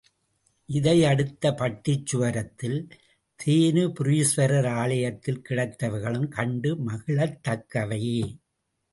இதை அடுத்த பட்டிச்சுவரத்தில் தேனுபுரீஸ்வரர் ஆலயத்தில் கிடைத்தவைகளும் கண்டு மகிழத்தக்கவையே.